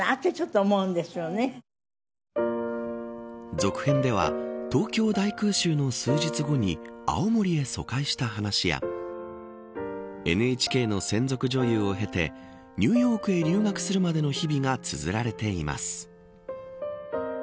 続編では東京大空襲の数日後に青森へ疎開した話やＮＨＫの専属女優を経てニューヨークへ留学するまでの日々がつづられています。